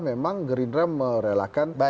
memang gerindra merelakan